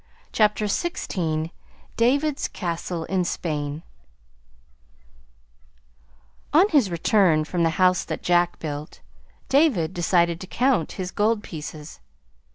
CHAPTER XVI DAVID'S CASTLE IN SPAIN On his return from the House that Jack Built, David decided to count his gold pieces.